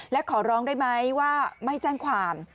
และขอร้องได้ไหมว่าไม่แจ้งความ